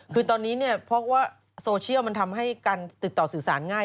คือตอนนี้เนี่ยเพราะว่าโซเชียลมันทำให้การติดต่อสื่อสารง่าย